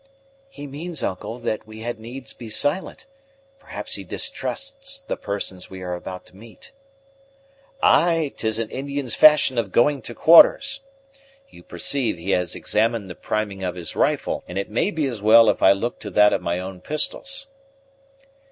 "He means, uncle, that we had needs be silent, perhaps he distrusts the persons we are about to meet." "Ay, 'tis an Indian's fashion of going to quarters. You perceive he has examined the priming of his rifle, and it may be as well if I look to that of my own pistols."